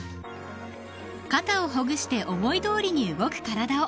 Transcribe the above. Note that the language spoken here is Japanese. ［肩をほぐして思いどおりに動く体を］